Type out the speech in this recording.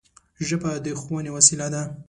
ژبه د ښوونې وسیله ده